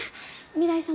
御台様。